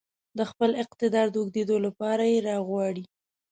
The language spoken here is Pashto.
د خپل اقتدار د اوږدېدو لپاره يې راغواړي.